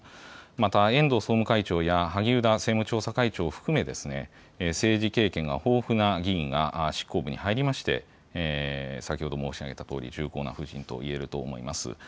また、遠藤総務会長や萩生田政務調査会長を含め、政治経験が豊富な議員が執行部に入りまして、先ほど申し上げたとおり、重厚な布陣といえると思います。